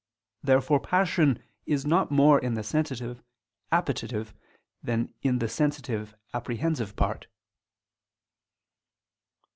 Therefore passion is not more in the sensitive appetitive than in the sensitive apprehensive part.